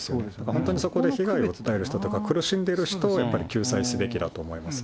本当にそこで被害を訴える人とか、苦しんでいる人をやっぱり救済すべきだと思います。